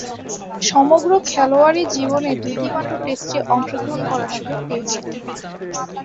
সমগ্র খেলোয়াড়ী জীবনে দুইটিমাত্র টেস্টে অংশগ্রহণ করার সুযোগ পেয়েছিলেন।